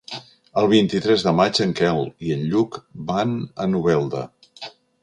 El vint-i-tres de maig en Quel i en Lluc van a Novelda.